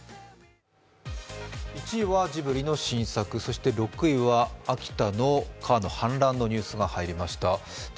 １位はジブリの新作、そして６位は秋田の川の氾濫のニュースが入りました。